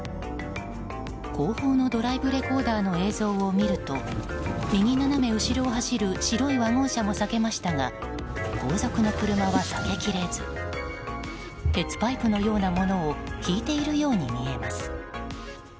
後方のドライブレコーダーの映像を見ると右斜め後ろを走る白い車も避けましたが後続の車は避けきれず鉄パイプのようなものをひいているように見えます。